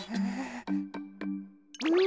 うん。